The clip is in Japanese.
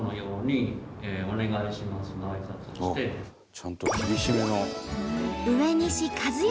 ちゃんと厳しめの。